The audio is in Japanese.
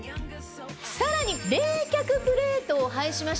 さらに冷却プレートを配しまして。